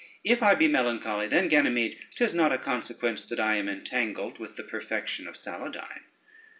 If I be melancholy, then, Ganymede, 'tis not a consequence that I am entangled with the perfection of Saladyne.